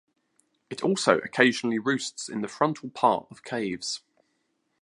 It also occasionally roosts in the frontal part of caves.